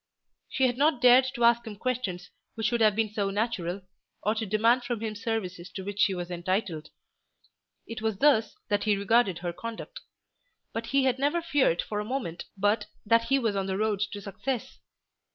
She had not dared to ask him questions which would have been so natural, or to demand from him services to which she was entitled. It was thus that he had regarded her conduct. But he had never feared for a moment but that he was on the road to success.